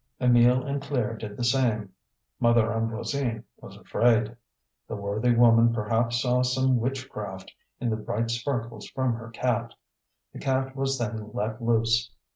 Emile and Claire did the same. Mother Ambroisine was afraid. The worthy woman perhaps saw some witchcraft in the bright sparkles from her cat. The cat was then let loose.